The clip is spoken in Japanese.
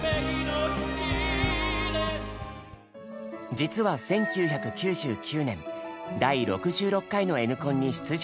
実は１９９９年第６６回の「Ｎコン」に出場した経験が。